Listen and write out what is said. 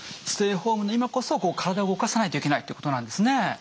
ステイホームの今こそ体を動かさないといけないってことなんですね。